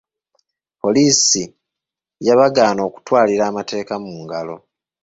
Poliisi yabagaana okutwalira amateeka mu ngalo.